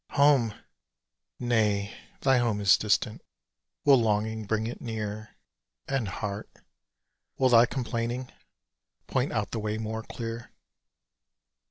Home! Nay, thy home is distant; Will longing bring it near, And heart, will thy complaining Point out the way more clear?